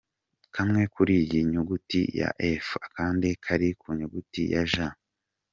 Kamwe kuri ku nyuguti ya ‘F’ akandi kari ku nyuguti ya ‘J’.